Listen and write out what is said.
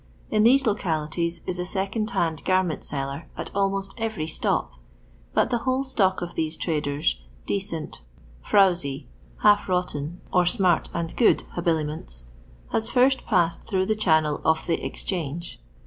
In these localities is a second hand g.irmcnt seller at almost everr step, but the whole stock of these traders, decent, frowsy, half rotten, or smart and good hobilments, has first passed through the channel of the Bx change.